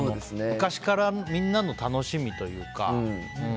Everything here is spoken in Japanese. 昔からみんなの楽しみというか。